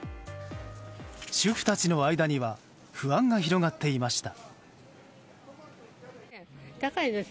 主婦たちの間には不安が広がっていました。